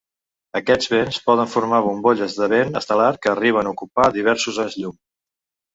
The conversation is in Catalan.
Aquests vents poden formar bombolles de vent estel·lar que arriben a ocupar diversos anys llum.